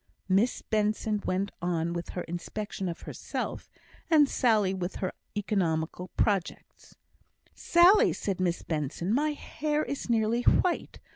Miss Benson went on with her inspection of herself, and Sally with her economical projects. "Sally!" said Miss Benson, "my hair is nearly white.